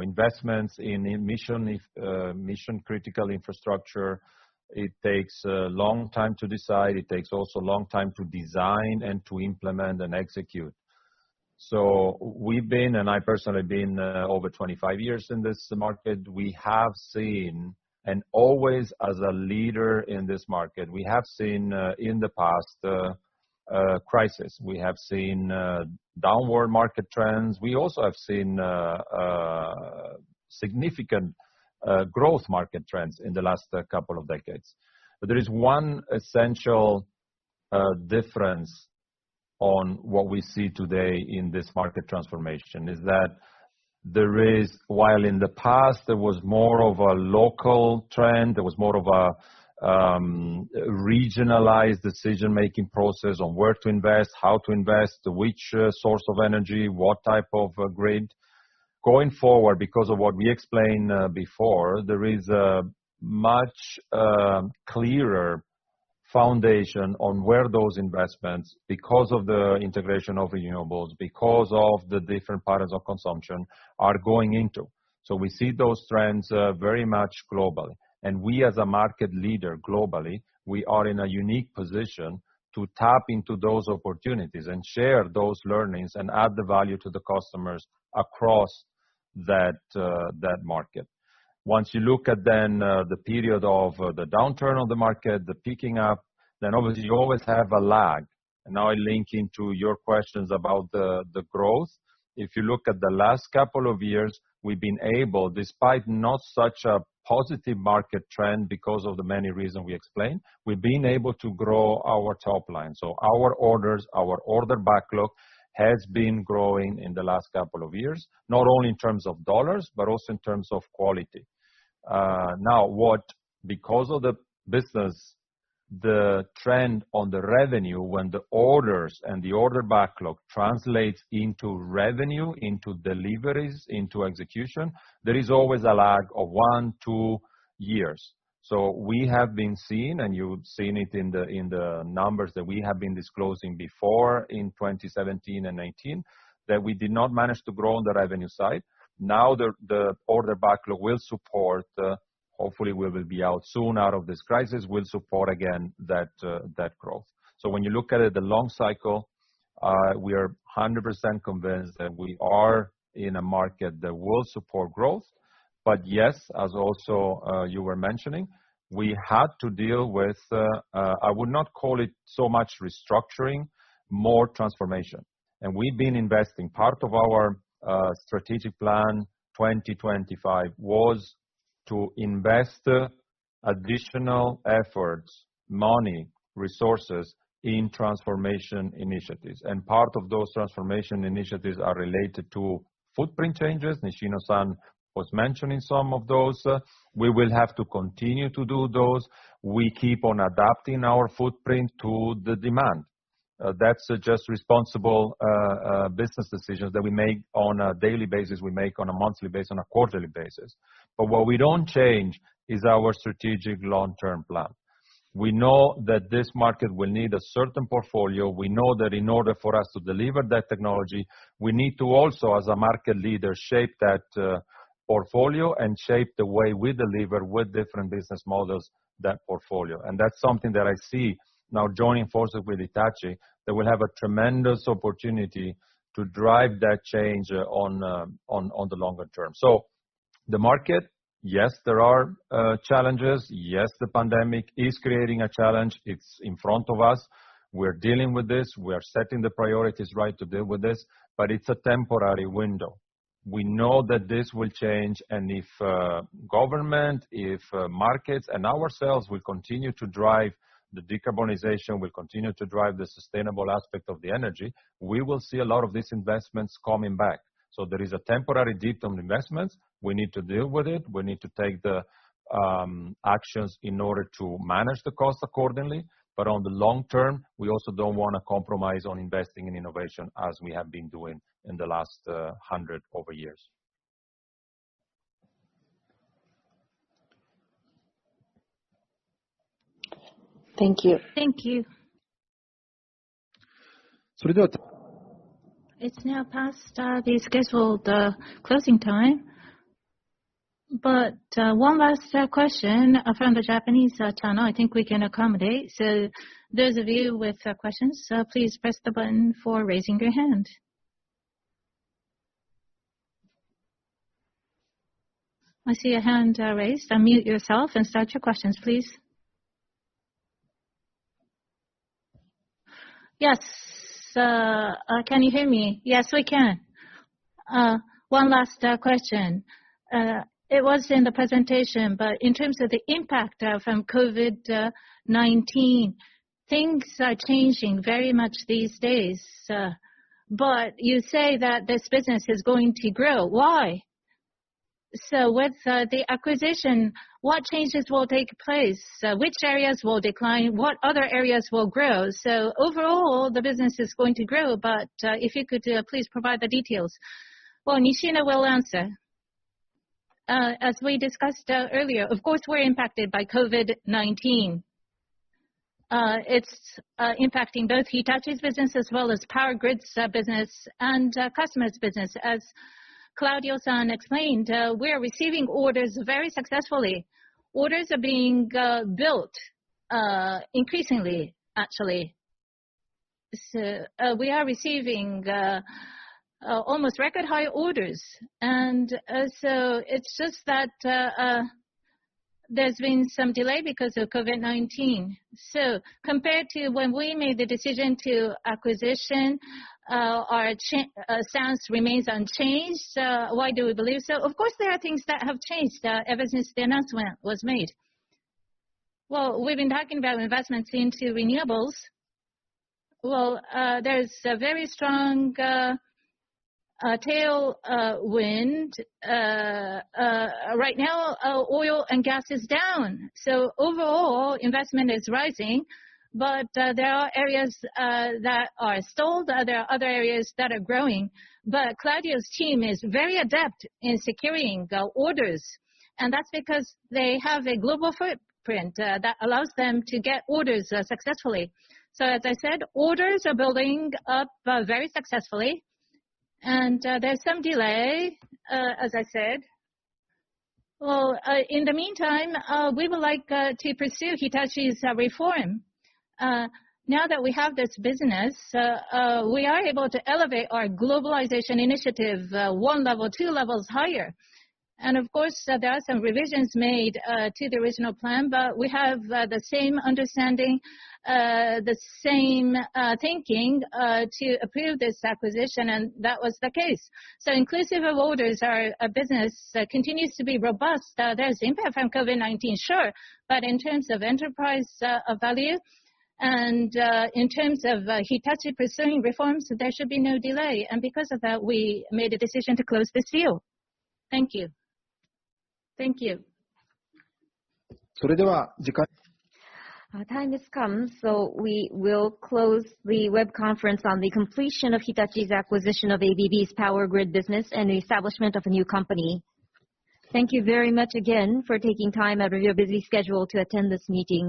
Investments in mission-critical infrastructure, it takes a long time to decide. It takes also a long time to design and to implement and execute. We have been, and I personally been over 25 years in this market. We have seen, and always as a leader in this market, we have seen in the past crisis. We have seen downward market trends. We also have seen significant growth market trends in the last couple of decades. There is one essential difference on what we see today in this market transformation, is that there is, while in the past there was more of a local trend, there was more of a regionalized decision-making process on where to invest, how to invest, which source of energy, what type of grid. Going forward, because of what we explained before, there is a much clearer foundation on where those investments, because of the integration of renewables, because of the different patterns of consumption, are going into. We see those trends very much globally. We as a market leader globally, we are in a unique position to tap into those opportunities and share those learnings and add the value to the customers across that market. Once you look at then the period of the downturn of the market, the picking up, then obviously you always have a lag. Now I link into your questions about the growth. If you look at the last couple of years, we have been able, despite not such a positive market trend because of the many reason we explained, we have been able to grow our top line. Our orders, our order backlog, has been growing in the last couple of years, not only in terms of dollars, but also in terms of quality. Because of the business, the trend on the revenue when the orders and the order backlog translates into revenue, into deliveries, into execution, there is always a lag of one, two years. We have been seeing, and you have seen it in the numbers that we have been disclosing before in 2017 and 2019, that we did not manage to grow on the revenue side. The order backlog will support, hopefully we will be out soon out of this crisis, will support again that growth. When you look at it the long cycle, we are 100% convinced that we are in a market that will support growth. Yes, as also you were mentioning, we had to deal with, I would not call it so much restructuring, more transformation. We've been investing. Part of our strategic plan 2025 was to invest additional efforts, money, resources, in transformation initiatives. Part of those transformation initiatives are related to footprint changes. Nishino-san was mentioning some of those. We will have to continue to do those. We keep on adapting our footprint to the demand. That's just responsible business decisions that we make on a daily basis, we make on a monthly basis, on a quarterly basis. What we don't change is our strategic long-term plan. We know that this market will need a certain portfolio. We know that in order for us to deliver that technology, we need to also, as a market leader, shape that portfolio and shape the way we deliver with different business models, that portfolio. That's something that I see now joining forces with Hitachi, that we'll have a tremendous opportunity to drive that change on the longer term. The market, yes, there are challenges. Yes, the pandemic is creating a challenge. It's in front of us. We're dealing with this. We are setting the priorities right to deal with this, but it's a temporary window. We know that this will change and if government, if markets and ourselves will continue to drive the decarbonization, will continue to drive the sustainable aspect of the energy, we will see a lot of these investments coming back. There is a temporary dip on investments. We need to deal with it. We need to take the actions in order to manage the cost accordingly. On the long term, we also don't want to compromise on investing in innovation as we have been doing in the last 100 over years. Thank you. Thank you. It's now past the scheduled closing time. One last question from the Japanese channel, I think we can accommodate. Those of you with questions, please press the button for raising your hand. I see a hand raised. Unmute yourself and state your questions, please. Yes. Can you hear me? Yes, we can. One last question. It was in the presentation. In terms of the impact from COVID-19, things are changing very much these days. You say that this business is going to grow. Why? With the acquisition, what changes will take place? Which areas will decline? What other areas will grow? Overall, the business is going to grow, but if you could please provide the details. Well, Nishino will answer. As we discussed earlier, of course, we're impacted by COVID-19. It's impacting both Hitachi's business as well as Power Grid's business and customers' business. As Claudio-san explained, we are receiving orders very successfully. Orders are being built increasingly, actually. We are receiving almost record-high orders. It's just that there's been some delay because of COVID-19. Compared to when we made the decision to acquisition, our stance remains unchanged. Why do we believe so? Of course, there are things that have changed ever since the announcement was made. Well, we've been talking about investments into renewables. Well, there's a very strong tailwind. Right now, oil and gas is down. Overall, investment is rising, but there are areas that are stalled. There are other areas that are growing. Claudio's team is very adept in securing orders, and that's because they have a global footprint that allows them to get orders successfully. As I said, orders are building up very successfully, and there's some delay, as I said. Well, in the meantime, we would like to pursue Hitachi's reform. Now that we have this business, we are able to elevate our globalization initiative 1 level, 2 levels higher. Of course, there are some revisions made to the original plan, we have the same understanding, the same thinking to approve this acquisition, and that was the case. Inclusive of orders, our business continues to be robust. There's impact from COVID-19, sure. In terms of enterprise value and in terms of Hitachi pursuing reforms, there should be no delay. Because of that, we made a decision to close this deal. Thank you. Thank you. Our time has come, we will close the web conference on the completion of Hitachi's acquisition of ABB's Power Grid business and the establishment of a new company. Thank you very much again for taking time out of your busy schedule to attend this meeting.